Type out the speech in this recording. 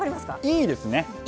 いいです！